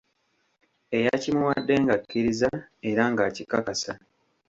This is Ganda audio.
Eyakimuwadde ng'akkiriza era ng'akikakasa.